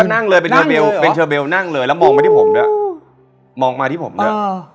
ก็นั่งเลยเป็นเชอร์เบลล์นั่งเลยแล้วมองมาที่ผมด้วยมองมาที่ผมด้วยอ่า